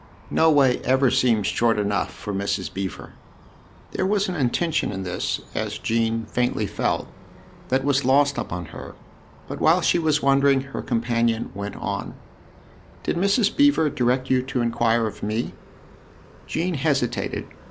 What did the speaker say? " No way ever seems short enough for Mrs. Beever !" There was an intention in this, as Jean faintly felt, that was lost upon her; but while she was wondering her companion went on : (f Did Mrs. Beever direct you to inquire of me ?" THE OTHER HOUSE 13 Jean hesitated.